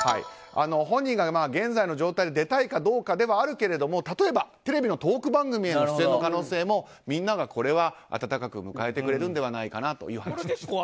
本人が現在の状態で出たいかどうかではあるけど例えばテレビのトーク番組出演の可能性もみんながこれは温かく迎えてくれるのではないかというお話でした。